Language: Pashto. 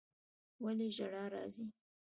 ولي ژړا راځي